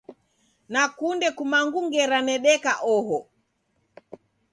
Nakunda kumangu ngera nedeka oho.